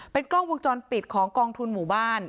กล้องวงจรปิดของกองทุนหมู่บ้าน